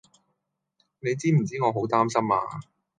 你知唔知我好擔心呀